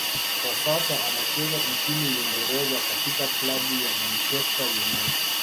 kwa sasa anacheza nchini Uingereza katika klabu ya Manchester United